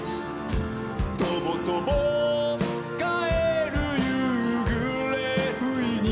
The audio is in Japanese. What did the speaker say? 「とぼとぼかえるゆうぐれふいに」